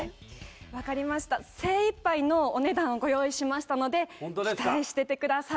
分かりました精一杯のお値段をご用意しましたので期待しててください